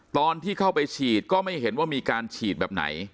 ตอนที่เข้าไปฉีดก็ไม่เห็นว่ามีการฉีดแบบไหน